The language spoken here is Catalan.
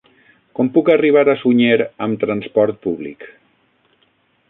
Com puc arribar a Sunyer amb trasport públic?